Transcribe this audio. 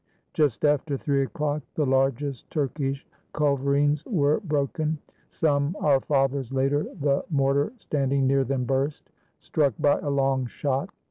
Just after three o'clock, the largest Turkish culver ines were broken. Some "Our Fathers" later, the mor tar standing near them burst, struck by a long shot.